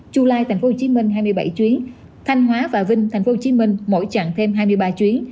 chu lai tp hcm hai mươi bảy chuyến thanh hóa và vinh tp hcm mỗi chặng thêm hai mươi ba chuyến